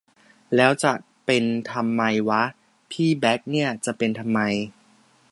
แล้วจะเป็นทำไมวะ พี่แบ่คเนี่ย จะเป็นทำไม